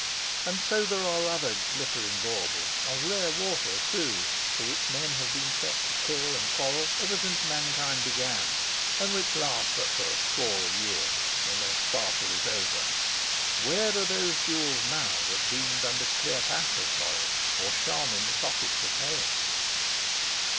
And so there are other glittering baubles (of rare water too) for which men have been set to kill and quarrel ever since mankind began; and which last but for a score of years, when their sparkle is over. Where are those jewels now that beamed under Cleopatra's forehead, or shone in the sockets of Helen?